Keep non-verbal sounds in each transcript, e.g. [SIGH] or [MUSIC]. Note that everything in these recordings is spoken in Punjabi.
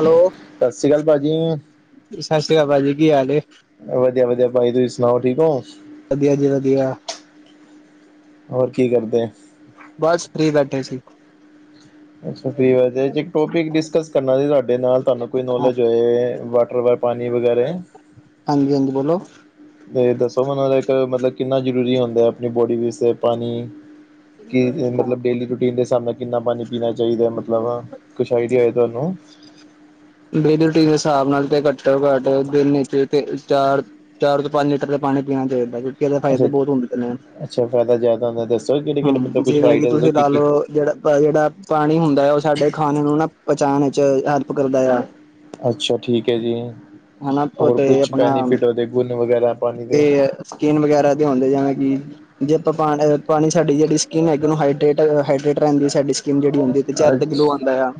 ਹੈਲੋ ਸ੍ਰੀ ਅਕਾਲ, ਭਾਜੀ! ਸਤਿ ਸ਼੍ਰੀ ਅਕਾਲ, ਭਾਜੀ! ਕੀ ਹਾਲ ਏ ਵਧੀਆ ਵਧੀਆ ਭਾਈ ਤੁਸੀਂ ਸੁਣਾਓ, ਠੀਕ ਹੋ? ਵਧੀਆ, ਜੀ ਵਧੀਆ! ਹੋਰ, ਕੀ ਕਰਦੇ? ਬਸ ਫ੍ਰੀ ਬੈਠੇ ਸੀ। ਵਧੀਆ ਜੀ ਵਧੀਆ, ਇਕ ਟੌਪਿਕ ਡਿਸਕਸ ਕਰਨਾ ਸੀ ਤੁਵਾੜੇ ਨਾਲ ਤੁਹਾਨੂੰ। ਕੋਈ ਨਲੇਜ ਹੋਏ? ਵਾਟਰ ਪਾਣੀ, ਵਗੈਰਾ? ਹਾਂਜੀ, ਹਾਂਜੀ! ਬੋਲੋ। ਤੇ ਦੱਸੋ ਮੈਨੂੰ ਇੱਕ ਮਤਲਬ ਕਿੰਨਾ ਜ਼ਰੂਰੀ ਹੁੰਦਾ ਹੈ ਆਪਣੀ ਬੋਡੀ ਵਿੱਚ ਤੇ ਪਾਣੀ ਕਿ ਮਤਲਬ ਡੇਲੀ ਰੂਟੀਨ ਦੇ ਹਿਸਾਬ ਨਾਲ ਕਿੰਨਾ ਪਾਣੀ ਪੀਣਾ ਚਾਹੀਦਾ ਮਤਲਬ ਕੁਛ ਆਈਡੀਆ ਹੈ ਤੁਹਾਨੂੰ ਡੇਲੀ ਰੂਟੀਨ ਦੇ ਹਿਸਾਬ ਨਾਲ ਤੇ ਘੱਟੋ ਘੱਟ ਦਿਨ ਵਿੱਚ ਤਿੰਨ ਤੇ ਚਾਰ ਚਾਰ ਤੋਂ ਪੰਜ ਲੀਟਰ ਤੇ ਪਾਣੀ ਪੀਣਾ ਚਾਹੀਦਾ ਦਾ ਅੱਛਾ ਫਾਇਦਾ ਬਹੁਤ ਹੁੰਦੇ ਨੇ ਅੱਛਾ ਫਾਇਦਾ ਜ਼ਿਆਦਾ ਹੁੰਦਾ ਦੱਸੋ ਕਿਹੜੇ ਕਿਹੜੇ ਹਮ ਮਤਲਬ ਕੁਛ ਜਿਵੇਂ ਕਿ ਫਾਇਦੇ ਦੱਸੋ ਤੁਸੀਂ ਕੀ ਲਾ ਕੀ ਲਓ ਜਿਹੜਾ ਜਿਹੜਾ ਪਾਣੀ ਹੁੰਦਾ ਆ ਉਹ ਸਾਡੇ ਖਾਣੇ ਨੂੰ ਨਾ ਪਚਾਉਣ ਵਿੱਚ ਹੈਲਪ ਕਰਦਾ ਆ। ਅੱਛਾ ਠੀਕ ਹੈ ਜੀ ਹਨਾ ਉਹ ਹੋਰ ਤੇ ਕੁਛ ਆਪਣਾ ਬੈਨੀਫਿਟ ਉਹਦੇ ਗੁਣ ਵਗੈਰਾ ਪਾਣੀ ਦੇ ਤੇ ਸਕੀਨ ਵਗੈਰਾ ਦੇ ਹੁੰਦੇ ਜਾਵੇ ਕਿ ਜੇ ਆਪਾਂ ਪਾ ਪਾਣੀ ਸਾਡੀ ਜਿਹੜੀ ਸਕਿਨ ਹੈਗੀ ਹਾਈਡਰੇਟ ਹਾਈਡਰੇਟ ਰਹਿੰਦੀ ਹੈ ਸਾਡੀ ਜਿਹੜੀ ਹੁੰਦੀ ਤੇ ਚਿਹਰੇ ਤੇ ਗਲੋ ਅੱਛਾ ਆਉਂਦਾ ਆ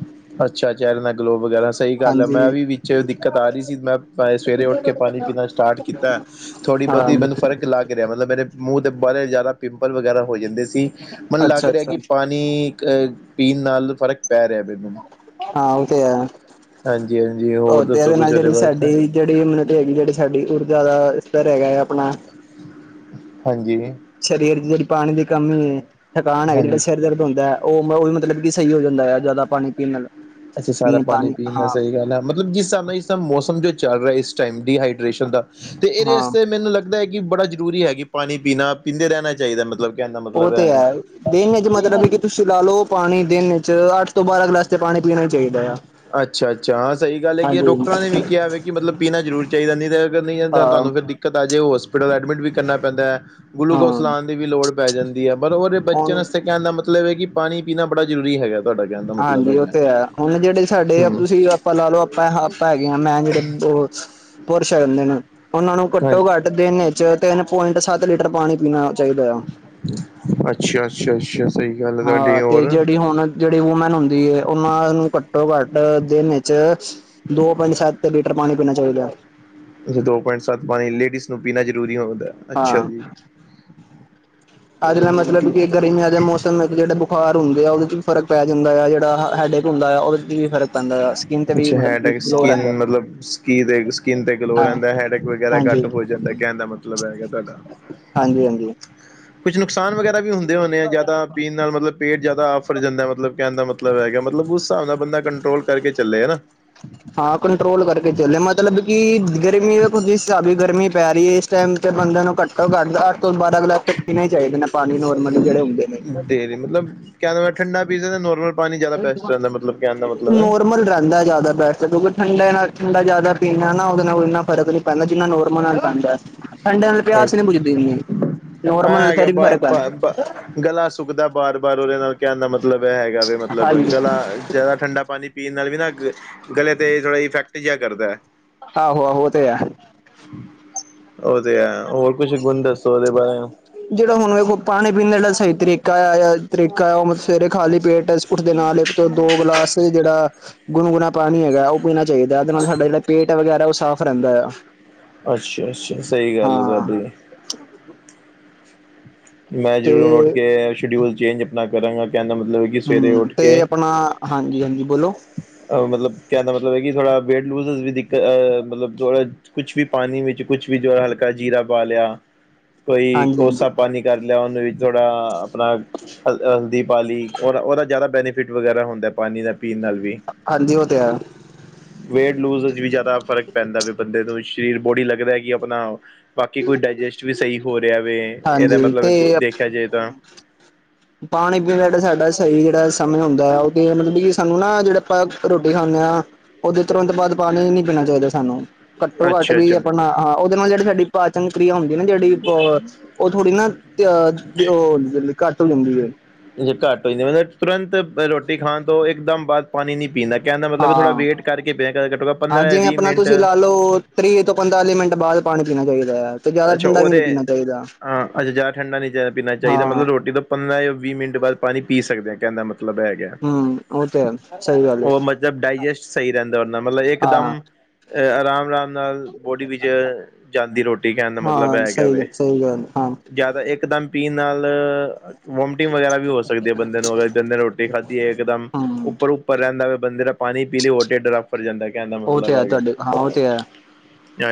ਅੱਛਾ ਚਿਹਰੇ ਨਾਲ ਗਲੋਵ ਵਗੈਰਾ ਸਹੀ ਗੱਲ ਆ ਮੈਂ ਹਾਂਜੀ ਵੀ ਵਿੱਚ ਦਿੱਕਤ ਆ ਰਹੀ ਸੀ ਮੈਂ ਸਵੇਰੇ ਉਠ ਕੇ ਪਾਣੀ ਪੀਣਾ। ਸਟਾਰਟ ਕੀਤਾ ਥੋੜ੍ਹੀ ਹਾਂ ਬਹੁਤੀ ਮੈਨੂੰ ਫਰਕ ਲੱਗ ਰਿਹਾ ਮਤਲਬ ਮੇਰੇ ਮੂੰਹ ਤੇ ਪਰੇ ਜ਼ਿਆਦਾ ਪਿੰਪਲ ਵਗੈਰਾ ਹੋ ਜਾਂਦੇ ਸੀ ਮੈਨੂੰ ਲੱਗ ਅੱਛਾ ਰਿਹਾ ਅੱਛਾ ਕਿ ਪਾਣੀ ਕ ਪੀਣ ਨਾਲ ਫਰਕ ਪੈ ਰਿਹਾ ਮੈਨੂੰ ਹਾਂ ਉਹ ਤੇ ਹੈ। ਹਾਂਜੀ-ਹਾਂਜੀ ਤੇ ਇਹਦੇ ਨਾਲ ਜਿਹੜੀ ਸਾਡੀ ਜਿਹੜੀ ਮਤਲਬ ਹੈਗੀ ਜਿਹੜੀ ਸਾਡੀ ਊਰਜਾ ਦਾ ਸਤਰ ਹੈਗਾ ਹੈ ਆਪਣਾ ਹਾਂਜੀ ਸਰੀਰ ਦੀ ਜਿਹੜੀ ਪਾਣੀ ਦੀ ਕਮੀ ਏ ਥਕਾਨ ਹੈਗੀ ਜਿਹੜਾ ਹਾਂਜੀ ਸਿਰ ਦਰਦ ਹੁੰਦਾ। ਓ-ਓ ਵੀ ਮਤਲਬ ਕਿ ਸਹੀ ਹੋ ਜਾਂਦਾ ਆ ਜ਼ਿਆਦਾ ਪਾਣੀ ਪੀਣ ਨਾਲ ਅੱਛਾ ਸਾਰਾ ਪੀ ਪਾਣੀ ਪੀਣ ਨਾਲ ਹਾਂ ਸਹੀ ਰਹਿੰਦਾ ਗੱਲ ਹੈ ਮਤਲਬ ਜਿਸ ਹਿਸਾਬ ਨਾਲ ਮੌਸਮ ਜੋ ਚੱਲ ਰਿਹਾ। ਇਸ ਟੈਮ ਡੀਹਾਈਡ੍ਰਿਸਨ ਦਾ ਤੇ ਇਹਦੇ ਹਾਂ ਅਸਤੇ ਮੈਨੂੰ ਲੱਗਦਾ ਕਿ ਬੜਾ ਜਰੂਰੀ ਹੈ ਪਾਣੀ ਪੀਣਾ ਪੀਂਦੇ ਰਹਿਣਾ ਚਾਹੀਦਾ ਮਤਲਬ ਕਹਿਣ ਦਾ ਉਹ ਮਤਲਬ ਐ ਤੇ ਵੇ। ਹੈ ਦਿਨ ਵਿੱਚ ਮਤਲਬ ਹੈ ਕਿ ਤੁਸੀਂ ਲਾ ਲਓ ਪਾਣੀ ਦਿਨ 'ਚ ਅੱਠ ਤੋਂ ਬਾਰਾਂ ਗਲਾਸ ਤੇ ਪਾਣੀ ਪੀਣਾ ਹੀ ਚਾਹੀਦਾ ਆ। ਅੱਛਾ- ਅੱਛਾ ਹਾਂ ਸਹੀ ਗੱਲ ਹੈ ਕਿ ਹਾਂਜੀ। ਡੋਕਟਰਾਂ ਨੇ ਵੀ ਕਿਹਾ ਹੋ ਕਿ ਮਤਲਬ ਪੀਣਾ ਜ਼ਰੂਰ ਚਾਹੀਦਾ ਨਹੀਂ ਤੇ ਨਹੀਂ ਹੈ ਹਾਂ, ਤੁਹਾਨੂੰ ਫਿਰ ਦਿੱਕਤ ਆ ਜਾਏ ਹੋਸਪਿਟਲ ਐਡਮਿਟ ਵੀ ਕਰਨਾ ਪੈਂਦਾ ਹਾਂ ਗਲੂਕੋਸ ਲਾਣ ਦੀ ਵੀ ਲੋੜ ਪੈ ਜਾਂਦੀ ਹੈ ਪਰ ਉਹਦੇ ਬਚਣ ਹੁਣ ਵਾਸਤੇ ਕਹਿਣ ਦਾ ਮਤਲਬ ਹੈ ਕਿ ਪਾਣੀ ਪੀਣਾ ਬੜਾ ਜ਼ਰੂਰੀ ਹੈਗਾ। ਤੁਹਾਡਾ ਕਹਿਣ ਦਾ ਮਤਲਬ ਹਾਂਜੀ ਉਹ ਹੈਗਾ ਤੇ ਹੈ ਹੁਣ ਜਿਹੜੇ ਸਾਡੇ ਹਮ ਤੁਸੀਂ ਆਪਾਂ ਲਾ ਲਓ ਆਪਾਂ-ਆਪਾਂ ਹੈਗੇ ਹਾਂ ਮੈਂ ਜਿਹੜੇ ਬ ਪੁਰਸ਼ ਹੈ ਦੇ ਨੇ। ਉਹਨਾਂ ਨੂੰ ਹਾਂਜੀ ਘੱਟੋ ਘੱਟ ਦਿਨ ਵਿੱਚ ਤਿੰਨ ਪੁਆਇੰਟ ਸੱਤ ਲੀਟਰ ਪਾਣੀ ਪੀਣਾ ਚਾਹੀਦਾ ਆ। ਅੱਛਾ-ਅੱਛਾ-ਅੱਛਾ ਹਾਂ ਤੇ ਜਿਹੜੀ ਹੁਣ ਜਿਹੜੀ ਵੂਮੈਨ ਹੁੰਦੀ ਹੈ ਉਹਨਾਂ ਨੂੰ ਘੱਟੋ ਘੱਟ ਦਿਨ ਇਚ ਦੋ ਪੁਆਇੰਟ ਸੱਤ ਲੀਟਰ ਪਾਣੀ ਪੀਣਾ ਚਾਹੀਦਾ। ਦੋ ਪੁਆਇੰਟ ਸੱਤ ਪਾਣੀ ਲੇਡੀਜ਼ ਨੂੰ ਪੀਣਾ ਜਰੂਰੀ ਹੁੰਦਾ ਅੱਛਾ ਹਾਂ। ਜੀ। ਆਹ ਜਿਹੜਾ ਮਤਲਬ ਕਿ ਗਰਮੀਆਂ ਦਾ ਮੌਸਮ। ਜਿਹੜੇ ਬੁਖਾਰ ਹੁੰਦੇ ਆ ਉਹਦੇ ਚ ਵੀ ਫਰਕ ਪੈ ਜਾਂਦਾ ਆ ਜਿਹੜਾ ਹੈੱਡਏਕ ਹੁੰਦਾ ਆ ਉਹਦੇ ' ਵੀ ਫਰਕ। ਅ ਸਕਿਨ ਅੱਛ ਹੈਡੇਕ ਸਕਿਨ ਮਤਲਬ ਸਕੀ ਸਕਿਨ ਤੇ ਗਲੋ ਹਾਂ ਰਹਿੰਦਾ ਹੈਡੇਕ ਵਗੈਰਾ ਹਾਂਜੀ ਘੱਟ ਹੋ ਜਾਂਦਾ ਕਹਿਨ ਦਾ ਮਤਲਬ ਮਤਲਬ ਹੈਗਾ ਤੁਹਾਡਾ। ਹਾਂਜੀ ਹਾਂਜੀ। ਕੁਛ ਨੁਕਸਾਨ ਵਗੈਰਾ ਵੀ ਹੁੰਦੇ ਆ ਜ਼ਿਆਦਾ। ਪੀਣ ਨਾਲ ਮਤਲਬ ਪੇਟ ਜਿਆਦਾ ਆਫ਼ਰ ਜਾਂਦਾ ਮਤਲਬ ਕਹਿਣ ਦਾ ਮਤਲਬ ਹੈਗਾ ਮਤਲਬ ਉਸ ਹਿਸਾਬ ਨਾਲ ਬੰਦਾ ਕੰਟਰੋਲ ਕਰਕੇ ਚੱਲੇ ਹੈਨਾ। [INAUDIBLE] ਹਾਂ ਕੰਟਰੋਲ ਕਰਕੇ ਚੱਲੇ ਮਤਲਬ ਕਿ ਗਰਮੀ ਖੁਦ ਹਿਸਾਬ ਗਰਮੀ ਪੈ ਰਹੀ ਹੈ ਇਸ ਟਾਈਮ ਤੇ ਬੰਦੇ ਨੂੰ ਘੱਟੋ ਘੱਟ ਅੱਠ ਤੋਂ ਬਾਰਾਂ ਕੁ ਲੱਖ ਪੀਣੇ ਹੀ ਚਾਹੀਦੇ ਨੇ ਪਾਣੀ ਨੋਰਮਲ ਵਗੈਰਾ ਹੁੰਦੇ ਨੇ। ਤੇ ਮਤਲਬ ਕਹਿ ਲਓ ਠੰਡਾ ਪੀਜ਼ਾ ਨੋਰਮਲ ਪਾਣੀ ਜ਼ਿਆਦਾ ਬੈਸਟ ਰਹਿੰਦਾ ਮਤਲਬ ਕਹਿਣ ਦਾ ਮਤਲਬ ਹੈ ਨੋਰਮਲ ਰਹਿੰਦਾ ਜ਼ਿਆਦਾ ਤਰ ਜਦੋਂ ਠੰਡੇ ਨਾਲ ਠੰਡਾ ਜ਼ਿਆਦਾ ਪੀਣ ਨਾ ਉਹਦੇ ਨਾਲ ਇੰਨਾ ਫਰਕ ਨਹੀਂ ਪੈਂਦਾ ਜਿੰਨਾ ਨੋਰਮਲ ਨਾਲ। ਠੰਡਾ ਨਾਲ ਐ ਪਿਆਸ ਨਹੀਂ ਪੁੱਜਦੀ ਇੰਨੀ ਨੋਰਮ ਨਾਲ ਹੈਗਾ ਫਿਰ ਵੀ ਫ਼ਰਕ ਆ। ਬ ਗਲਾ ਸੁੱਕਦਾ ਬਾਰ ਬਾਰ ਉਹਦੇ ਨਾਲ ਕਹਿ ਦਾ ਮਤਲਬ ਮਤਲਬ ਇਹ ਹੈਗਾ ਵੀ ਮਤਲਬ ਹਾਂਜੀ ਗਲਾ ਜ਼ਿਆਦਾ ਠੰਡਾ ਪਾਣੀ ਪੀਣ ਨਾਲ ਵੀ ਨਾ। ਗਲੇ 'ਤੇ ਥੋੜਾ ਇਫੈਕਟ ਜਿਹਾ ਕਰਦਾ ਹੈ। ਆਹੋ ਹੋ ਤੇ ਹੈ। ਉਹ ਤੇ ਹੈ ਹੋਰ ਕੁਛ ਗੁਣ ਦੱਸੋ ਉਹਦੇ ਬਾਰੇ। ਜਿਹੜਾ ਹੁਣ ਵਖੋ ਪਾਣੀ ਪੀਣ ਦਾੜਾ ਸਹੀ ਤਰੀਕਾ ਆ ਤਰੀਕਾ ਆ ਉਹ ਸਵੇਰੇ ਖਾਲੀ ਪੇਟ ਬਿਸਕੁਟ ਦੇ ਨਾਲ। ਦੋ ਗਲਾਸ ਜਿਹੜਾ ਗੁਣ ਗੁਣਾ ਪਾਣੀ ਹੈਗਾ ਉਹ ਪੀਣਾ ਚਾਹੀਦਾ ਉਹਦੇ ਨਾਲ ਸਾਡਾ ਜਿਹੜਾ ਪੇਟ ਵਗੈਰਾ ਉਹ ਸਾਫ਼ ਰਹਿੰਦਾ ਹੈ। ਅੱਛਾ ਅੱਛਾ ਸਹੀ ਗੱਲ ਹੈ ਤੁਹਾਡੀ। ਮੈਂ ਤੇ ਜ਼ਰੂਰ ਉੱਠ ਕੇ ਸ਼ਡਿਊਲ ਚੇਂਜ ਆਪਣਾ ਕਰਾਂਗਾ ਕਹਿੰਦਾ ਮਤਲਬ ਕਿ ਸਵੇਰੇ ਹੂੰ ਉੱਠ ਤੇ ਕੇ ਆਪਣਾ ਹਾਂਜੀ ਹਾਂਜੀ ਬੋਲੋ। ਮਤਲਬ ਕਿਆਦਾ ਮਤਲਬ ਹੈ ਕਿ ਥੋੜਾ ਵੇਟ ਲੂਜ ਵੀ ਦਿੱਕਤ ਮਤਲਬ ਥੋੜਾ ਕੁਛ ਵੀ ਪਾਣੀ ਵਿੱਚ ਕੁਛ ਵੀ ਜੋ ਹਲਕਾ ਜੀਰਾ ਪਾ ਲਿਆ ਕੋਈ ਹਾਂਜੀ ਹਾਂਜੀ ਕੋਸਾ ਵੀ ਕਰ ਲਿਆ ਉਹਨੂੰ ਵੀ ਥੋੜਾ ਆਪਣਾ ਹਲਦੀ ਪਾਲੀ ਉਹ ਉਹਦਾ ਜ਼ਿਆਦਾ ਬੈਨੀਫਿਟ ਵਗੈਰਾ ਹੁੰਦਾ ਪਾਣੀ ਦਾ। ਪੀਣ ਦੇ ਨਾਲ ਵੀ ਹਾਂਜੀ ਉਹ ਤੇ ਹੈ ਵੇਟ ਲੂਜ਼ ਵਿੱਚ ਵੀ ਜ਼ਿਆਦਾ ਫਰਕ ਪੈਂਦਾ ਵੀ ਬੰਦੇ ਨੂੰ ਸਰੀਰ ਬੋਡੀ ਲੱਗਦਾ ਕਿ ਆਪਣਾ ਬਾਕੀ ਕੋਈ ਡਾਇਜੈਸਟ ਵੀ ਸਹੀ ਹੋ ਰਿਹਾ ਵੇ ਇਹਦਾ ਹਾਂਜੀ ਤੇ ਮਤਲਬ ਦੇਖਿਆ ਜਾਏ ਤਾਂ ਪਾਣੀ ਪੀਣ ਦਾ ਜਿਹੜਾ ਸਾਡਾ ਸਹੀ ਜਿਹੜਾ ਸਮੇਝ ਹੁੰਦਾ ਆ ਉਹ ਤੇ ਮਤਲਬ ਕਿ ਸਾਨੂੰ ਨਾ ਜਿਹੜੇ ਆਪਾਂ ਰੋਟੀ ਖਾਂਦੇ ਹਾਂ। ਉਹਦੇ ਤੁਰੰਤ ਬਾਅਦ ਪਾਣੀ ਨੀ ਪੀਣਾ ਚਾਹੀਦਾ ਸਾਨੂੰ ਘੱਟੋ ਘੱਟ ਅੱਛਾ ਵੀ ਅੱਛਾ ਆਪਣਾ ਹਾਂ ਉਹਦੇ ਨਾਲ ਜਿਹੜੀ ਸਾਡੀ ਪਾਚਨ ਕ੍ਰਿਆ ਹੁੰਦੀ ਨਾ ਜਿਹੜੀ ਹੋਰ ਉਹ ਥੋੜੀ ਨਾ ਉਹ ਘੱਟ ਹੁੰਦੀ ਹੈ। ਜੇ ਘੱਟ ਹੋਈ ਤੇ ਮਤਲਬ ਤੁਰੰਤ ਰੋਟੀ ਖਾਣ ਤੋਂ ਇੱਕਦਮ ਬਾਅਦ ਪਾਣੀ ਨੀ ਪੀਂਦਾ। ਕਹਿੰਦਾ ਮਤਲਬ ਵੀ ਥੋੜਾ ਹਾਂ ਵੇਟ ਕਰਕੇ ਪਿਆ ਘੱਟੋ ਪੰਦਰਾਂ ਜਾਂ ਵੀਹ ਮਿੰਟ ਹੈਲੋ। ਤ੍ਰੀਹ ਤੋਂ ਪਨਤਾਲੀ ਮਿੰਟ ਬਾਅਦ ਪਾਣੀ ਪੀਣਾ ਚਾਹੀਦਾ ਆ। ਅੱਛਾ ਉਹਦੇ ਹਾਂ ਅੱਛਾ ਜ਼ਿਆਦਾ ਠੰਡਾ ਨਹੀਂ ਜਿਆਦਾ ਪੀਣਾ ਚਾਹੀਦਾ ਹਾਂ ਮਤਲਬ ਰੋਟੀ ਦਾ ਪੰਦਰਾਂ ਜਾਂ ਵੀਹ ਮਿੰਟ ਬਾਅਦ ਪਾਣੀ ਪੀ ਸਕਦੇ ਹਾਂ ਕਹਿੰਦਾ ਮਤਲਬ ਹੈਗਾ। ਹੂੰ ਉਹ ਤੇ ਹੈ। ਸਹੀ ਗੱਲ ਹੈ ਉਹ ਮਤਲਬ ਡਾਇਜੈਸਟ ਸਹੀ ਰਹਿੰਦਾ ਉਹ ਨਾਲ ਮਤਲਬ ਇੱਕ ਹਾਂ ਦਮ ਆਰਾਮ- ਆਰਾਮ ਨਾਲ ਬੋਡੀ ਵਿੱਚ ਜਾਂਦੀ ਰੋਟੀ ਇਹ ਕਹਿਣ ਦਾ ਮਤਲਬ ਹਾਂ ਹੈਗਾ ਵੇ ਸਹੀ ਸਹੀ ਗੱਲ ਹਾਂ ਜਿਆਦਾ ਇੱਕਦਮ ਪੀਣ ਨਾਲ ਵੋਮਟਿੰਗ ਵਗੈਰਾ ਵੀ ਹੋ ਸਕਦੀ ਹੈ ਬੰਦੇ ਨੂੰ ਅਗ ਬੰਦੇ ਨੇ ਰੋਟੀ ਖਾਧੀ ਹੈ ਇੱਕਦਮ ਹਮ ਉੱਪਰ- ਉੱਪਰ ਰਹਿੰਦਾ ਵੇ ਬੰਦੇ ਦਾ ਪਾਣੀ ਪੀ ਲਈ ਹੋੋਰ ਡਰਫ ਫੁੱਲ ਜਾਂਦਾ ਕਹਿੰਦਾ। ਉਹ ਤੇ ਹੈ ਤੁਹਾਡੇ ਹਾਂ ਉਹ ਤੇ ਹੈ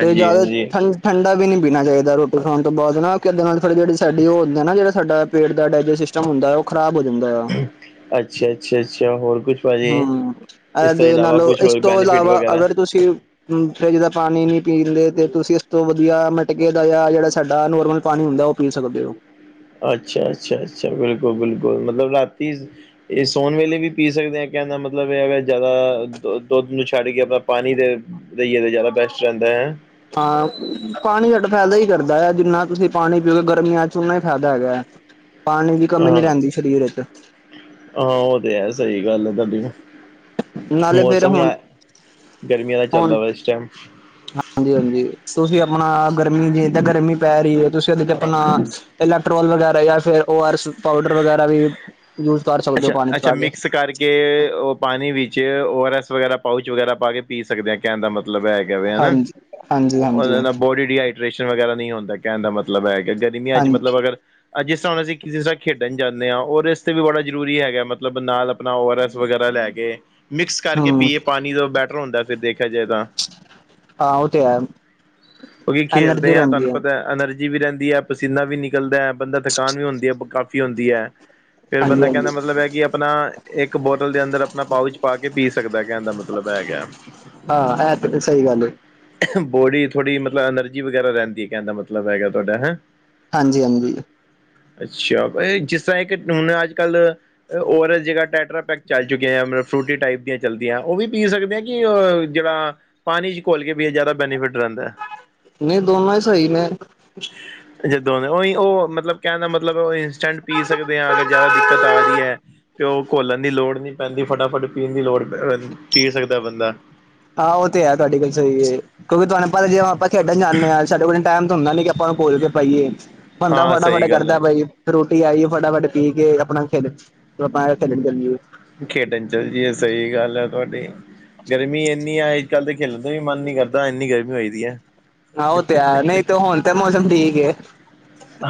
ਤੇ ਜ਼ਿਆਦਾ ਹਾਂਜੀ ਠੰਡ। ਠੰਡਾ ਵੀ ਨਈ ਪੀਣਾ ਚਾਹੀਦਾ ਰੋਟੀ ਖਾਣ ਤੋਂ ਬਾਅਦ ਨਾ ਇਦੇ ਨਾਲ ਫਿਰ ਜਿਹੜੀ ਸਾਡੀ ਉਹ ਹੁੰਦੇ ਨਾ ਜਿਹੜਾ ਸਾਡਾ। ਪੇਟ ਦਾ ਡਾਇਜੈਸਟ ਸਿਸਟਮ ਹੁੰਦਾ, ਉਹ ਖ਼ਰਾਬ ਹੋ ਜਾਂਦਾ ਆ। ਅੱਛਾ ਅੱਛਾ ਅੱਛਾ ਹੋਰ ਕੁਛ ਭਾਜੀ ਹੂੰ, ਇਸ ਤੋਂ ਇਹਦੇ ਇਲਾਵਾ ਨਾਲੋਂ ਕੁਛ ਇਸ ਹੋਰ ਤੋਂ ਬੈਨੀਫਿਟ ਇਲਾਵਾ ਵਗੈਰਾ ਅਗਰ। ਤੁਸੀਂ। ਹੂੰ ਫਰਿਜ ਦਾ ਪਾਣੀ ਨੀ ਪੀ ਦਿੰਦੇ ਤੇ ਤੁਸੀਂ ਇਸ ਤੋਂ ਵਧੀਆ ਮਟਕੇ ਦਾ ਜਾਂ ਜਿਹੜਾ ਸਾਡਾ ਨੋਰਮਲ ਪਾਣੀ ਹੁੰਦਾ ਉਹ। ਪੀ ਸਕਦੇ ਹੋ। ਅੱਛਾ, ਅੱਛਾ, ਅੱਛਾ, ਬਿਲਕੁਲ- ਬਿਲਕੁਲ ਮਤਲਬ ਰਾਤੀ। ਇਹ ਸੌਣ ਵੇਲੇ ਵੀ ਪੀ ਸਕਦੇ ਹਾਂ, ਕਹਿੰਦਾ ਮਤਲਬ ਇਹ ਹੈਗਾ ਜ਼ਿਆਦਾ ਦੁੱਧ ਨੂੰ ਛੱਡ ਕੇ ਆਪਣਾ ਪਾਣੀ ਦੇ। ਲਈਏ ਦਾ ਜ਼ਿਆਦਾ ਬੈਸਟ ਰਹਿੰਦਾ ਹੈ। ਹਾਂ, ਪਾਣੀ ਸਾਡਾ ਫਾਇਦਾ ਹੀ ਕਰਦਾ ਹੈ। ਜਿੰਨਾ ਤੁਸੀਂ ਪਾਣੀ ਪੀਓਗੇ ਗਰਮੀਆਂ 'ਚ ਓਨਾ ਹੀ ਫਾਇਦਾ ਹੈਗਾ ਹੈ। [INAUDIBLE] ਪਾਣੀ ਦੀ ਕਮੀ ਨੀ ਹਾਂ ਰਹਿੰਦੀ ਸਰੀਰ ਵਿੱਚ। ਹਾਂ ਉਹ ਤੇ ਹੈ ਸਹੀ ਗੱਲ ਤੁਹਾਡੀ। ਨਾਲੇ ਫੇਰ ਮੌਸਮ ਹੀ ਹੁਣ ਗਰਮੀਆਂ ਦਾ ਹੁਣ ਚੱਲਦਾ ਵਾ ਇਸ ਟਾਈਮ। ਹਾਂਜੀ- ਹਾਂਜੀ, ਤੁਸੀਂ ਆਪਣਾ ਗਰਮੀ ਜੇ ਏਦਾਂ ਗਰਮੀ ਪੈ ਰਹੀ ਹੈ ਤੁਸੀਂ ਉਹਦੇ ਚ ਆਪਣਾ। ਇਲੈਕਟ੍ਰੋਲ ਵਗੈਰਾ ਜਾਂ ਫਿਰ ਉਹ ਓ ਆਰ ਐੱਸ ਪਾਉਡਰ ਵਗੈਰਾ ਵੀ ਯੂਜ ਕਰ ਸਕਦੇ ਹੋ ਪਾਣੀ ਚ ਪਾਕੇ। ਕੇ ਉਹ ਪਾਣੀ ਵਿੱਚ ਓ ਆਰ ਐਸ ਵਗੈਰਾ ਪਾਊਚ ਵਗੈਰਾ ਪਾ ਕੇ ਪੀ ਸਕਦੇ ਆ ਕਹਿਣ ਦਾ ਮਤਲਬ। ਮਤਲਬ ਹੈ ਕੇਵੇ ਹਨਾ ਹਾਂਜੀ ਹਾਂਜੀ ਹਾਂਜੀ ਉਹ ਬੋਡੀ ਦੀ। ਡਿਰੈਸ਼ਨ ਵਗੈਰਾ ਨਈ ਹੁੰਦਾ, ਕਹਿਣ ਦਾ ਮਤਲਬ ਹੈ ਕਿ ਗਰਮੀਆਂ ਚ ਹਾਂਜੀ ਮਤਲਬ ਅਗਰ। ਅ ਜਿਸ ਤਰ੍ਹਾਂ ਹੁਣ ਅਸੀਂ ਕਿਸੇ ਤਰ੍ਹਾਂ ਖੇਡਣ ਜਾਂਦੇ ਹਾਂ, ਔਰ ਇਸ ਤੇ ਵੀ ਬੜਾ। ਜ਼ਰੂਰੀ ਹੈਗਾ ਮਤਲਬ ਨਾਲ ਆਪਣਾ ਓ ਆਰ ਐਸ ਵਗੈਰਾ ਲੈ ਕੇ। ਮਿਕਸ ਕਰਕੇ ਹਮ ਪੀਏ ਪਾਣੀ ਦਾ ਬੈਟਰ ਹੁੰਦਾ ਫਿਰ ਦੇਖਿਆ ਜਾਏ ਤਾਂ। ਹਾਂ ਉਹ ਤੇ ਹੈ ਕਿਉਂਕਿ ਖੇਲਦੇ ਐਨਰਜੀ ਹਾਂ ਰਹਿੰਦੀ ਤੁਹਾਨੂੰ ਹੈ ਪਤਾ ਐਨਰਜੀ। ਵੀ ਰਹਿੰਦੀ ਹੈ, ਪਸੀਨਾ ਵੀ ਨਿਕਲਦਾ ਹੈ, ਬੰਦਾ ਥਕਾਨ ਵੀ ਹੁੰਦੀ ਹੈ ਕਾਫ਼ੀ ਹੁੰਦੀ ਹੈ। ਫੇਰ ਹਾਂਜੀ ਬੰਦਾ। ਕਹਿਣ ਦਾ ਹਾਂਜੀ ਮਤਲਬ ਹੈ, ਕਿ ਆਪਣਾ ਇੱਕ ਬੋਤਲ ਦੇ ਅੰਦਰ ਆਪਣਾ ਪਾਓਚ ਪਾਕੇ ਪੀ ਸਕਦਾ ਕਹਿਣ ਦਾ ਮਤਲਬ ਹੈਗਾ। ਹਾਂ ਐ ਤੇ ਸਹੀ ਗੱਲ ਹੈ। ਬੋਡੀ ਥੋੜ੍ਹੀ ਮਤਲਬ ਐਨਰਜੀ ਵਗੈਰਾ ਰਹਿੰਦੀ ਹੈ ਕਹਿਣ ਦਾ ਮਤਲਬ ਹੈਗਾ ਤੁਹਾਡਾ ਹੇਂ। ਹਾਂਜੀ- ਹਾਂਜੀ। ਅੱਛਾ ਜਿਸ ਤਰ੍ਹਾਂ ਏਕ ਹੁਣ ਅੱਜ ਕੱਲ੍ਹ ਓ ਆਰ ਐਸ ਦੀ ਜਗ੍ਹਾ ਟੈਟਰਾ ਪੈਕ। ਚੱਲ ਚੁੱਕੀਆਂ ਮਤਲਬ ਫਰੂਟੀ ਟਾਈਪ ਦੀਆਂ ਚੱਲਦੀਆਂ, ਉਹ ਵੀ ਪੀ ਸਕਦੇ ਹਾ, ਕਿ ਜਿਹੜਾ। ਪਾਣੀ ਚ ਘੁਲ ਕੇ ਵੀ ਇਹ ਜ਼ਿਆਦਾ ਬੈਨੀਫਿਟ ਰਹਿੰਦਾ। ਨਈ ਦੋਨੋ ਹੀ ਸਹੀ ਨੇੈ। ਜਦੋ ਨੇ ਉਹੀ ਉਹ ਮਤਲਬ ਕਹਿਣ ਦਾ ਮਤਲਬ ਇੰਸਟੈਂਟ ਪੀ ਸਕਦੇ ਆ ਅਗਰ ਜ਼ਿਆਦਾ। ਤਾ ਰਹੀ ਹੈ। ਤੇ ਓ ਘੋਲਣ ਦੀ ਲੋੜ ਨਈ ਪੈਂਦੀ, ਫਟਾਫਟ ਪੀਣ ਦੀ ਲੋੜ ਪੈ ਪੀ ਸਕਦਾ ਬੰਦਾ। ਹਾਂ ਉਹ ਤੇ ਹੈ ਤੁਹਾਡੀ ਗੱਲ ਸਹੀ ਹੈ। ਕਿਉਂਕਿ ਤੁਹਾਨੂੰ ਪਤਾ ਜੇ ਆਪਾਂ ਖੇਡਣ ਜਾਂਦੇ ਹਾਂ ਸਾਡੇ ਕੋਲ ਟਾਈਮ ਤਾਂ ਹੁੰਦਾ ਨੀ ਕਿ ਆਪਾਂ ਨੂੰ ਘੋਲ ਕੇ ਪਾਈਏ। ਬੰਦਾ ਹਾਂ ਫਟਾਫਟੇ ਸਹੀ ਗੱਲ ਕਰਦਾ ਹੈ ਬਾਈ ਰੋਟੀ ਆਈਏ ਫਟਾਫਟ ਪੀ ਕੇ ਆਪਣਾ ਖੇਡਣ ਆਪਣਾ ਖੇਡਣ ਜਾਈਏ ਖੇਡਨ ਚੱਲ ਜੀਏ ਇਹ ਸਹੀ ਗੱਲ ਆ ਤੁਹਾਡੀ ਗਰਮੀ ਇੰਨੀ ਆ ਅੱਜ ਕੱਲ੍ਹ ਤਾਂ ਖੇਲਣ ਦਾ ਵੀ ਮਨ ਨੀ ਕਰਦਾ ਇੰਨੀ ਗਰਮੀ ਹੋਦੀ ਹੈ। ਆ ਉਹ ਤੇ ਹੈ, ਨਈ ਤੇ ਹੁਣ ਤਾਂ ਮੌਸਮ ਠੀਕ ਹੈ,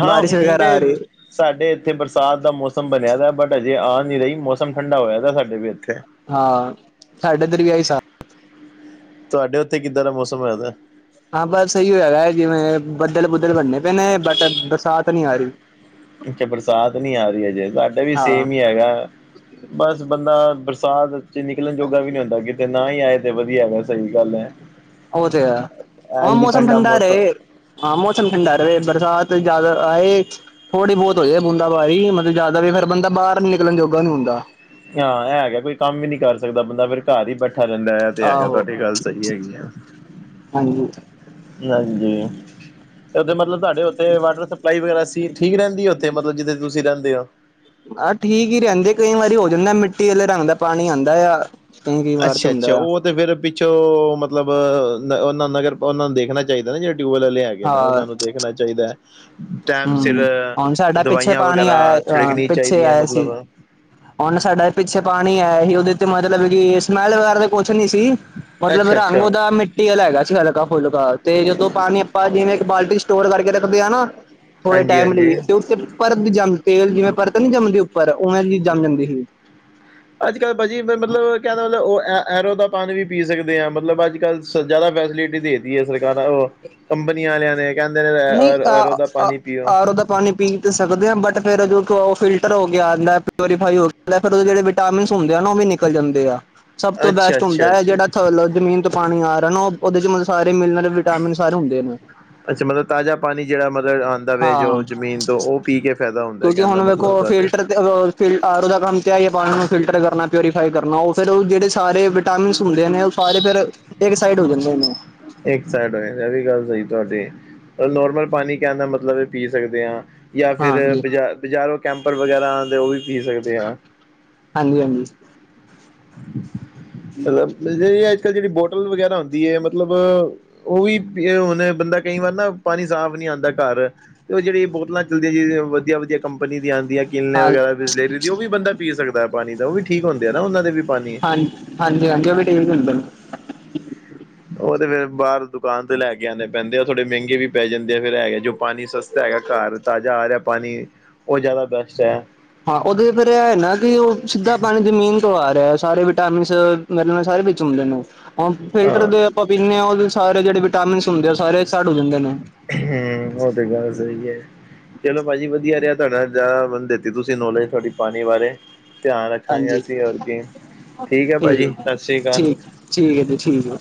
ਹਾਂ ਬਾਰਿਸ਼ ਹੁਣ ਵਗੈਰਾ ਆ ਤੇ ਰਹੀ ਹੈ। ਸਾਡੇ ਇੱਥੇ ਬਰਸਾਤ ਦਾ ਮੌਸਮ ਬਣਿਆ ਤ ਬਟ ਅਜੇ ਆ ਨਈ ਰਹੀ ਮੌਸਮ ਠੰਡਾ ਹੋਇਆ ਤ ਸਾਡੇ ਵੀ ਇੱਥੇ। ਹਾਂ ਸਾਡੇ ਇਧਰ ਵੀ ਆਈ ਸਾਅ ਤੁਹਾਡੇ ਉੱਥੇ ਕਿੱਦਾਂ ਦਾ ਮੌਸਮ ਰਿਹੰਦਾ? ਹਾਂ, ਬਸ ਸਹੀ ਹੋਇਆ ਜਿਵੇਂ ਬੱਦਲ-ਬੁੱਦਲ ਬਣਨੇ ਪਏ ਨੇ ਬਟ ਬਰਸਾਤ ਨੀ ਆ ਰੀ। ਅਛਾ ਬਰਸਾਤ ਨੀ ਆ ਰਹੀ ਅਜੇ, ਸਾਡਾ ਵੀ ਹਾਂ ਸੇਮ ਈ ਹੈਗਾ। ਬਸ ਬੰਦਾ ਬਰਸਾਤ ਚ ਨਿਕਲਣ ਜੋਗਾ ਵੀ ਨੀ ਹੁੰਦਾ ਕਿਤੇ, ਨਾ ਈ ਆਏ ਤੇ ਵਧੀਆ ਐ, ਸਹੀ ਗੱਲ ਐ। ਉਹ ਤੇ ਹੈ ਹਾਂ ਇੰਜ ਮੌਸਮ ਠੰਡਾ ਮੌਸਮ ਰਹੇ ਹਾਂ, ਮੌਸਮ ਠੰਡਾ ਰਵੇ, ਬਰਸਾਤ ਜ਼ਿਆਦਾ ਆਏ ਥੋੜੀ ਬੋਤ ਹੋ ਜਾਏ ਬੂੰਦਾ ਬਾਰੀ, ਮਤਲਬ ਜ਼ਿਆਦਾ ਫਿਰ ਬੰਦਾ ਬਾਹਰ ਨੀ ਨਿਕਲਨ ਜੋਗਾ ਨੀ ਹੁੰਦਾ। ਹਾਂ ਏ ਹੈਗਾ ਕੋਈ ਕੰਮ ਵੀ ਨੀ ਕਰ ਸਕਦਾ ਬੰਦਾ, ਫੇਰ ਘਰ ਹੀ ਬੈਠ ਠਾ ਰਹਿੰਦਾ ਇਹ ਤੇ ਹੈਗਾ, ਆਹੋ ਤੁਹਾਡੀ ਗੱਲ ਸਹੀ ਹੈਗੀ। ਹਾਂਜੀ ਜੀ ਹਾਂਜੀ। ਉੱਥੇ ਮਤਲਬ ਤਾਡੇ ਉੱਥੇ ਵਾਟਰ ਸਪਲਾਈ ਵਗੈਰਾ ਸੀ ਠੀਕ ਰਹਿੰਦੀ ਐ, ਉੱਥੇ ਮਤਲਬ ਜਿੱਥੇ ਤੁਸੀਂ ਰਹਿੰਦੇ ਔ। ਆਹ ਠੀਕ ਈ ਰਹਿੰਦੇ, ਕਈ ਵਾਰੀ ਹੋ ਜਾਂਦਾ ਮਿੱਟੀ ਆਲੇ ਰੰਗ ਦਾ ਪਾਣੀ ਆਂਦਾ ਆ। ਕਈ ਕਈ ਵਾਰ ਤੇ ਅੱਛਾ ਅੱਛਾ, ਹੁੰਦਾ ਆ ਉਹ ਤੇ ਫੇਰ ਪਿੱਛੋਂ ਮਤਲਬ ਉਹ ਨ ਨਗਰ ਉਹਨਾਂ ਨੂੰ ਦੇਖਣਾ ਚਾਈਦਾ ਨਾ, ਜਿਹੜੇ ਟਿਊਬਵੈਲ ਆਲੈ ਐ। ਹੈਗੇ ਨੇ ਹਾਂ ਉਹਨਾਂ ਨੂੰ ਦੇਖਣਾ ਚਾਈਦਾ ਐ, ਟੈਮ ਸਿਰ, ਹਮ ਹੁਣ ਸਾਡਾ ਪਿੱਛੇ ਦਵਾਈਆਂ ਪਾਣੀ ਵਗੈਰਾ ਆਇਆ ਅ ਛਿੜਕਨੀ ਪਿੱਛੇ ਚਾਈਦੀਆਂ ਆਇਆ ਸੀ ਮਤਲਬ। ਹੁਣ ਸਾਡਾ ਪਿੱਛੇ ਪਾਣੀ ਆਇਆ ਹੀ ਉਹਦੇ ਤੇ ਮਤਲਬ ਕਿ ਸਮੈਲ ਵਗੈਰਾ ਤ ਕੁੱਛ ਨੀ ਸੀ, ਮਤਲਬ ਅੱਛਾ ਰੰਗ ਅੱਛਾ ਉਹਦਾ ਮਿੱਟੀ ਵਾਲਾ ਹੈਗਾ ਸੀ ਹਲਕਾ-ਫੁਲਕਾ, ਤੇ ਜਦੋਂ ਪਾਣੀ ਆਪਾਂ ਜਿਵੇਂ ਇੱਕ ਬਾਲਟੀ ਸਟੋਰ ਕਰਕੇ ਰੱਖਦੇ ਆ ਨਾ, ਥੋੜੇ ਹਾਂਜੀ ਟਾਈਮ ਹਾਂਜੀ ਲਈ ਤੇ ਉੱਤੇ ਪਰਤ ਜਮ ਤੇਲ ਜਿਵੇਂ ਪਰਤ ਨੀ ਜੰਮਦੀ ਉੱਪਰ, ਉਵੇਂ ਦੀ ਜੰਮ ਜਾਂਦੀ ਹੀ। [INAUDIBLE] ਅੱਜ-ਕੱਲ੍ਹ ਭਾਜੀ ਮਤਲਬ ਕਹਿਣ ਦਾ ਮਤਲਬ ਉਹ ਐਝ ਐਰੋ ਦਾ ਪਾਣੀ ਵੀ ਪੀ ਸਕਦੇ ਆ, ਮਤਲਬ ਅੱਜ-ਕੱਲ ਤੇ ਜ਼ਿਆਦਾ ਫੈਸਿਲਿਟੀ ਦੇ ਤੀ ਐ, ਸਰਕਾਰ ਅ [INAUDIBLE] ਕੰਬਨੀ ਵਾਲਿਆਂ ਨੇ ਕਹਿੰਦੇ ਨਹੀਂ ਅਰ ਆਰੋ ਦਾ ਅ ਪਾਣੀ ਪੀਓ। ਆਰੋ ਦਾ ਪਾਣੀ ਪੀ ਤੇ ਸਕਦੇ ਆਂ, ਬਟ ਫਿਰ ਉਹ ਫਿਲਟਰ ਹੋ ਕੇ ਆਂਦਾ ਪਿਓਰੀਫਾਈ ਹੋ ਕੇ ਆਂਦਾ ਫਿਰ ਉਹ ਜਿਹੜੇ ਵਿਟਾਮਿਨਸ ਹੁੰਦੇ ਆ ਨਾ, ਉਹ ਵੀ ਨਿਕਲ ਜਾਂਦੇ ਆ। ਸਭ ਤੋਂ ਅੱਛਾ ਬੈਸਟ ਅੱਛਾ ਹੁੰਦਾ ਅੱਛਾ ਜਿਹੜਾ ਥਲੋ ਲ ਜ਼ਮੀਨ ਤੋਂ ਪਾਣੀ ਆ ਰਿਹਾ, ਨਾ ਉਹਦੇ ਚ ਮਤ ਸਾਰੇ ਮਿਰਲਣ ਵਿਟਾਮਿਨ ਸਾਰੇ ਹੁੰਦੇ ਨੇ। ਅੱਛਾ, ਮਤਲਬ ਤਾਜ਼ਾ ਪਾਣੀ ਜਿਹੜਾ ਮਤਲਬ ਆਂ ਦਾ ਪਿਆ ਵੇ ਹਾਂ ਜੋ ਜ਼ਮੀਨ ਤੋਂ ਉਹ ਪੀ ਕੇ ਫੈਦਾ ਹੁੰਦਾ ਕਹਿੰਦਾ ਮਤਲਬ ਤੋਆਡੇ। ਆ ਫਿਰ ਆਰੋ ਦਾ ਕੰਮ ਤੇ ਆਈ ਆਈ ਏ ਪਾਣੀ ਨੂੰ ਫਿਲਟਰ ਕਰਨਾ, ਪਿਊਰੀਫਾਈ ਕਰਨਾ, ਉਹ ਫਿਰ ਉਹ ਜਿਹੜੇ ਸਾਰੇ ਵਿਟਾਮਿਨਸ ਹੁੰਦੇ ਨੇ ਸਾਰੇ ਫਿਰ ਇੱਕ ਸਾਈਡ ਹੋ ਜਾਂਦੇ ਨੇ ਇੱਕ ਸਾਈਡ ਹੋਏ, ਇਹ ਵੀ ਗੱਲ ਸਹੀ ਤੁਹਾਡੀ। ਨੋਰਮਲ ਪਾਣੀ ਕਹਿਣ ਦਾ ਮਤਲਬ ਏ ਪੀ ਸਕਦੇ ਆਂ। ਜਾਂ ਫਿਰ ਹਾਂਜੀ ਬ ਬਜ਼ਾਰੋਂ ਕੈਂਪਰ ਵਗੈਰਾ ਆਂਦੇ ਉਹ ਵੀ ਪੀ ਸਕਦੇ ਆਂ। ਹਾਂਜੀ ਹਾਂਜੀ। [UNINTELLIGIBLE] ਅੱਜ-ਕੱਲ੍ਹ ਜਿਹੜੀ ਬੋਟਲ ਵਗੈਰਾ ਹੁੰਦੀ ਐ ਮਤਲਬ ਉਹ ਵੀ ਬੇ ਹੁਣ ਬੰਦਾ ਕਈ ਵਾਰ ਨਾ ਪਾਣੀ ਸਾਫ਼ ਨੀ ਆਂਦਾ ਘਰ। ਤੇ ਉਹ ਜਿਹੜੀ ਬੋਤਲਾਂ ਚੱਲਦੀਆਂ ਜ [UNINTELLIGIBLE] ਵਧੀਆ-ਵਧੀਆ ਕੰਪਨੀ ਦੀਆਂ ਆਦੀਆਂ। ਕਿਨੇ ਹਾਂ ਵਗੈਰਾ ਬਿਸਲਰੀ ਦੀ ਉਹ ਵੀ ਬੰਦਾ ਪੀ ਸਕਦਾ ਐ ਪਾਣੀ ਤਾਂ ਉਹ ਵੀ ਠੀਕ ਹੁੰਦੇ ਆ ਨਾ ਉਹਨਾਂ ਦੇ ਵੀ ਪਾਣੀ। ਹਾਂ ਹਾਂਜੀ ਹਾਂਜੀ, ਉਹ ਵੀ ਠੀਕ ਹੁੰਦੇ ਨੇ। ਉਹ ਤੇ ਫੇਰ ਬਾਹਰ ਦੁਕਾਨ ਤੇ ਲੈ ਆਂਣੇ ਪੈਂਦੇ ਆ, ਥੋੜ੍ਹੇ ਮਹਿੰਗੇ ਵੀ ਪੈ ਜਾਂਦੇ ਆ ਫੇਰ ਐ ਜੋ ਪਾਣੀ ਸਸਤਾ ਹੈਗਾ ਘਰ ਤਾਜ਼ਾ ਆ ਰਿਆ ਪਾਣੀ ਓ ਜਾਦਾ ਬੈਸਟ ਐ। ਹਾਂ ਉਹਦੇ ਫਿਰ ਐ ਹੈ ਨਾ ਕਿ ਓ ਸਿੱਧਾ ਪਾਣੀ ਜਮੀਨ ਤੋਂ ਆ ਰਿਆ ਸਾਰੇ ਵਿਟਾਮਿਨ ਮਿਨਰਲ ਸਾਰੇ ਵਿੱਚ ਹੁੰਦੇ ਨੇ ਫਿਲਟਰ ਹਾਂ ਦੇ ਆਪਾਂ ਪੀਂਣੇ ਆ ਉਹ ਸਾਰੇ ਜੇੜੇ ਵਿਟਾਮਿਨਸ ਹੁੰਦੇ ਆ ਉਹ ਸਾਰੇ ਇਕ ਸੈਡ ਹੋ ਜਾਂਦੇ ਨੇ। ਹੂੰ ਓ ਤੇ ਗੱਲ ਸਈ ਐ। ਚਲੋ ਭਾਜੀ ਵਧੀਆ ਰਿਆ ਤੁਹਾਡਾ ਬੰਦੇ ਤੇ ਤੁਸੀਂ ਨੌਲੇਜ ਤੁਹਾਡੀ ਪਾਣੀ ਬਾਰੇ ਧਿਆਨ ਰੱਖਾਂਗੇ ਅਸੀ ਹੋਰ ਕੀ ਅਛ ਠੀਕ ਹੈ ਭਾਜੀ ਸਤਿ ਸ਼੍ਰੀ ਅਕਾਲ ਠੀਕ-ਠੀਕ-ਠੀਕ ਹੈ ਜੀ ਠੀਕ ਏ।